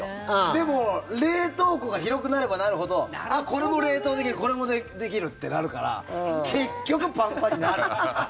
でも、冷凍庫が広くなればなるほどこれも冷凍できるこれもできるってなるから結局パンパンになる。